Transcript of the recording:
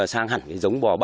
sang hẳn cái giống bò ba b